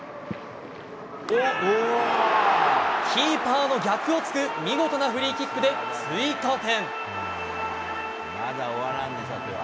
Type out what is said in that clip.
キーパーの逆を突く見事なフリーキックで追加点。